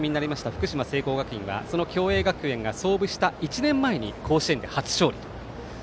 福島・聖光学院は共栄学園が創部した１年前に甲子園で初勝利。